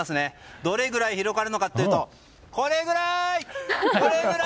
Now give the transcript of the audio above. どれぐらい広がるのかというとこれぐらい！